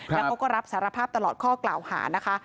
แล้วเขาก็รับสารภาพตลอดข้อกล่าวหานะคะ